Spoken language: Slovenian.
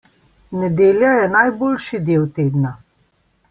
Nedelja je najboljši del tedna.